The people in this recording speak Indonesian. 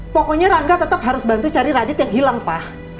pokoknya rangga tetep harus bantu cari radit yang hilang pa